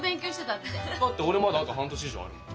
だって俺まだあと半年以上あるもん。